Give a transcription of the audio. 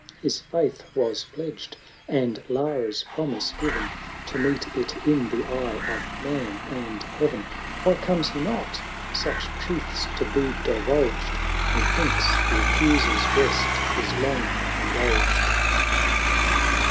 His faith was pledged, and Lara's promise given, 670 To meet it in the eye of Man and Heaven. 2D Why comes he not ? Such truths to be divulged, Methinks the accuser's rest is long indulged.